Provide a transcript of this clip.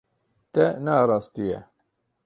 Te nearastiye.